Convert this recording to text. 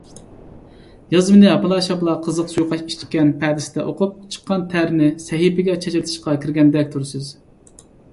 يازمىنى ھاپىلا - شاپىلا قىزىق سۇيۇقئاش ئىچكەن پەدىسىدە ئوقۇپ، چىققان تەرنى سەھىپىگە چاچرىتىشقا كىرگەندەك تۇرىسىز.